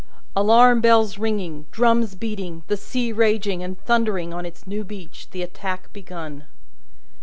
Alarm bells ringing, drums beating, the sea raging and thundering on its new beach, the attack began.